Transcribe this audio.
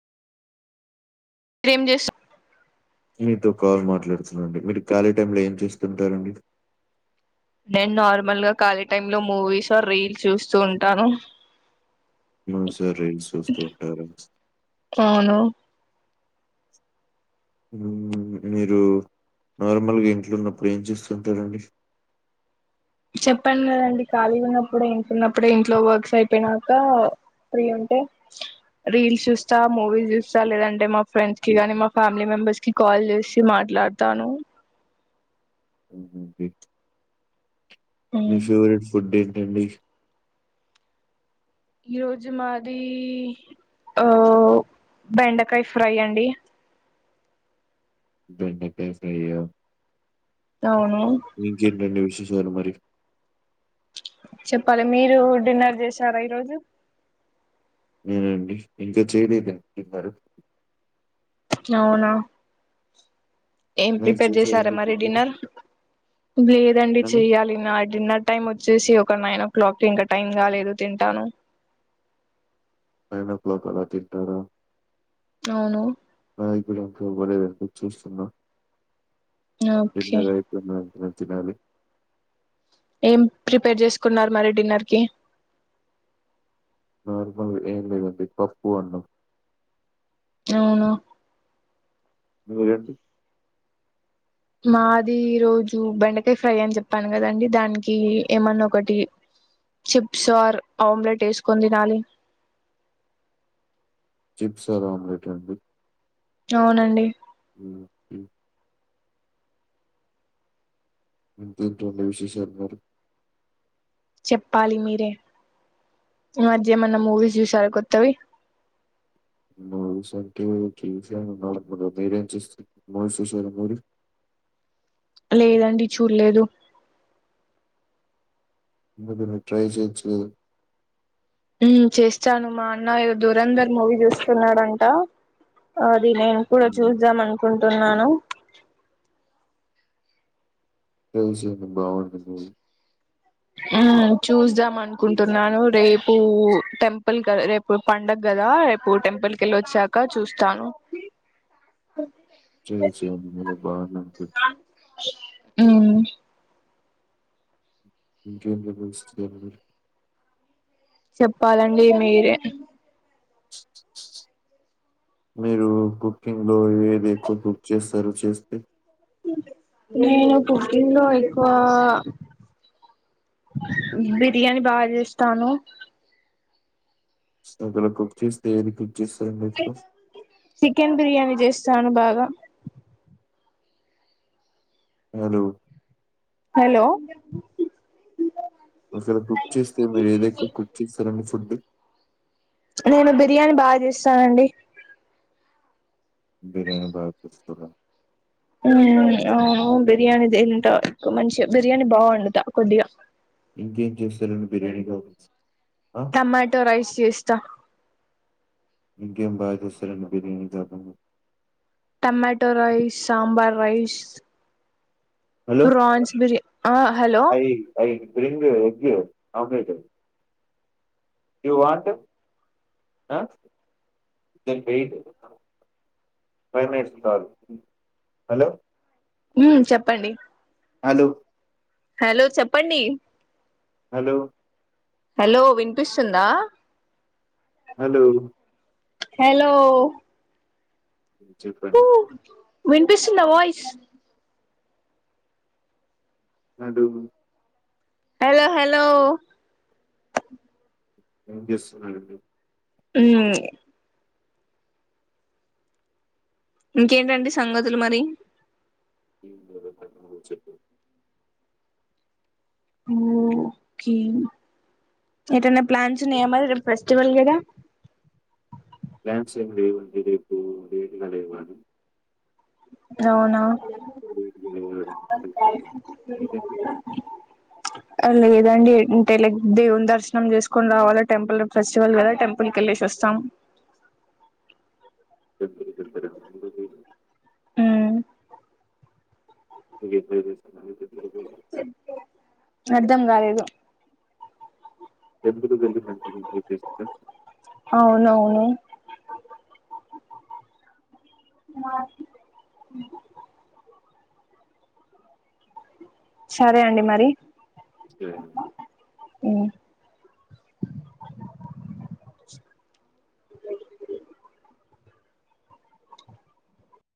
మీరేం జెస్ మీతో కాల్ మాట్లాడుతున్నాండి మీర్ ఖాళీ టైమ్ లో ఏం చేస్తుంటారండి నేను నార్మల్ గా ఖాళీ టైమ్ లో మూవీస్ ఓ రీల్స్ చూస్తూ ఉంటాను రీల్స్ చూస్తూ ఉంటారు అవును మ్మ్ మీరు నార్మల్గా ఇంట్లన్నుప్పుడు ఏం చూస్తుంటారండి చెప్పాను గదండి ఖాళీగున్నప్పుడు ఇంట్లున్నుప్పుడు ఇంట్లో వర్క్స్ అయిపొయినాక ఫ్రీ ఉంటే రీల్స్ చూస్తా మూవీస్ చూస్తా లేదంటే మా ఫ్రెండ్స్ కి గానీ మా ఫ్యామిలీ బస్ కి కాల్ చేసి మాట్లాడతాను హుహుహు. మీ ఫేవరెట్ ఫుడ్ ఏంటండి ఈ రోజు మాది ఆ బెండకాయ ఫ్రై అండి బెండకాయ ఫ్రైయా? అవును ఇంకేంటండి విశేషాలు మరి చెప్పాలి మీరు డిన్నర్ చేసారా ఈరోజు అండి ఇంకా చేయలేదు అవునా ఏం నైట్ ప్రిపేర్ చేసారు చేశారండి మరి డిన్నరు? డిన్నర్ లేదండి అండి చెయ్యాలి నా డిన్నర్ టైమ్ వచ్చేసి ఒక నైన్ ఓ క్లాక్కిి ఇంక టైం కాలేదు తింటాను నైన్ ఓ క్లాక్ అలా తింటారా అవును నాయి గుడ ఇంకవ్వ లేదండీ చూస్తున్నా ఓకే ఎన్నగా అయిపొయినాక తినాలి ఏం ప్రిపేర్ చేసుకున్నారు మరి డిన్నర్ కి నార్మల్ ఏం లేదండీ పప్పు అన్నం అవునా మీరండి మాది ఈ రోజు బెండకాయ ఫ్రై అని చెప్పాను గదండి దానికి ఏమన్న ఒకటి చిప్స్ ఆర్ ఆమ్లెట్ ఏసుకొని దినాలి చిప్స్ ఆర్ ఆమ్లెట్ అండి అవునండి ఊహు ఇంకేంటండి విశేషాలు మరి చెప్పాలి మీరే ఈ మధ్య ఏమన్నా మూవీస్ జూసార కొత్తవి మూవీస్ అంటే కే జి [inaudible] మీరేం చూస్తే మూవీస్ చూశారు మరి లేదండి చూడ్లేదు ఎందుకు నువ్ ట్రై చేయచ్చు గద మ్మ్ చేస్తాను మా అన్న దూరంధర్ మూవీ చూస్తున్నాడంట అది నేను కూడా హ్మ్. చూద్దాం అనుకుంటున్నాను బాగుంటంది మ్మ్ చూస్దాం అనుకుంటున్నాను రేపు టెంపుల్ రేపు పండుగ రేపు టెంపుల్ కొళ్ళొచ్చాక చూస్తాను టేజియం బలే బానే ఉంది మ్మ్ ఇంకేన్ బబుల్స్ చెప్పాలండి మీరే మీరు కుకింగ్ లో ఏది ఎక్కువ కుక్ చేస్తారు చేస్తే నేను కుకింగ్ లో ఎక్కువా బిర్యానీ బా చేస్తాను సగల కుక్ చేస్తే ఏది కుక్ చేస్త మీకు చికెన్ బిర్యానీ చేస్తాను బాగా హలో హలో అసలు కుక్ చేస్తే మీరు ఏదెక్కువ కుక్ చేస్తారండి ఫుడ్ నేను బిర్యానీ బాచేస్తానండి బిరియాని బాగ చేస్తారా మ్మ్ అవును బిర్యానీ హ్మ్. దింట హ్మ్. ఎక్కువ మంచి గ బిర్యానీ బావొండుత కొద్దిగా ఏం చేసారండి బిర్యాని బాగోచ్ టమాటో రైస్ చేస్తా ఇంకే బా చేస్తారండి బిర్యానీ కాకుండ tomato rice sambar rice hello prawns బిర్యా ఆ hello I I bring egg omelette you want ఆ దెన్ వెయిట్ [unintelligible] హలో ఊ చెప్పండి హలో! హలో చెప్పండి హలో హలో వినిపిస్తుందా హలో హలో చెప్పండి వినుపిస్తుందా వాయిస్ అడుగు హలో హలో వినిపిస్తోంది ఊ ఇంకేంటండి సంగతులు మరి ఏం లేదండి మీరే చెప్పాలి ఓకే ఎటన్నా ప్లాన్స్ ఉన్నయా మరి రేపు ఫెస్టివల్ కదా ప్లాన్స్ ఏం లేవండి రేపు లేటుగా లేవాలి అవునా [inaudible] ఆ లేదండి అంటే లైక్ దేవుని దర్శనం చేసుకొని రావాల టెంపుల్ ఫెస్టివల్ కదా టెంపుల్ కి వెల్లేసి వస్తాం ఇద్దరికీ ఇద్దరు అందర్నీ హ్మ్ వెళ్లిదరే తీస్కున [unintelligible] అర్థం కాలేదు ఎందుకు జరిగిందంత [unintelligible] అ మా సరే అండి మరి హ్మ్